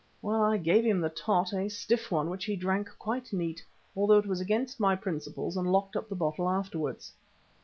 Well, I gave him the tot, a stiff one, which he drank quite neat, although it was against my principles, and locked up the bottle afterwards.